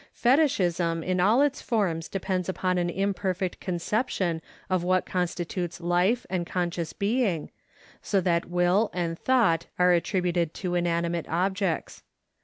Fetichism in all its forms depends upon an imperfect conception of what constitutes life and conscious being, so that will and thought are attributed to inanimate objects.